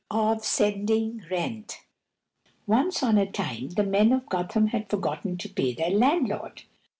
Of Sending Rent Once on a time the men of Gotham had forgotten to pay their landlord.